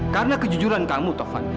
karena kejujuran kamu tuhan